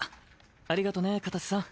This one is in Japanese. ありがとね片瀬さん。